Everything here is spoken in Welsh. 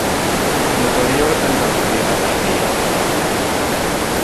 Myfyriwr yn dathlu yn yr eira.